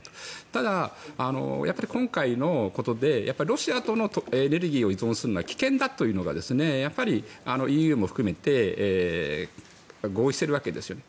ただ、今回のことでロシアのエネルギーを依存するのは危険だというのが、ＥＵも含めて合意しているわけですよね。